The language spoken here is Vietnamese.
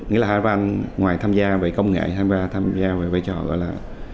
nghĩa là haravan ngoài tham gia về công nghệ tham gia về vai trò gọi là